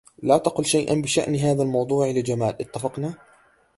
لا تقل شيئا بشأن هذا الموضوع لجمال، اتفقنا؟